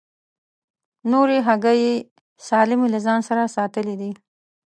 نورې هګۍ یې سالمې له ځان سره ساتلې دي.